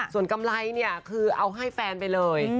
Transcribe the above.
ส่วนกำไรเนี่ยคือเอาให้แฟนไปเลย